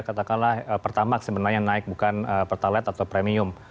katakanlah pertamak sebenarnya yang naik bukan pertalet atau premium